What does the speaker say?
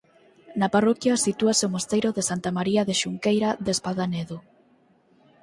Na parroquia sitúase o mosteiro de Santa María de Xunqueira de Espadanedo.